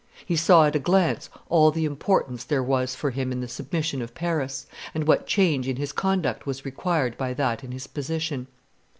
He saw at a glance all the importance there was for him in the submission of Paris, and what change in his conduct was required by that in his position.